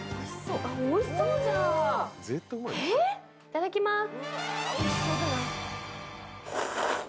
⁉いただきます！